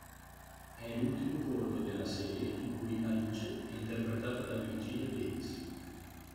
È l'ultimo corto della serie in cui Alice è interpretata da Virginia Davis.